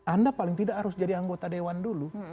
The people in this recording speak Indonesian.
anda paling tidak harus jadi anggota dewan dulu